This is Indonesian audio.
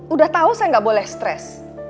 udah tahu saya nggak boleh stres